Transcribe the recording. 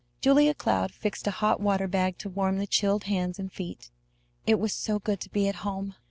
Julia Cloud fixed a hot water bag to warm the chilled hands and feet. It was so good to be at home!